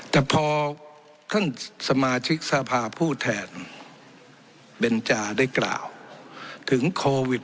แต่พอท่านสมาชิกสภาผู้แทนเบนจาได้กล่าวถึงโควิด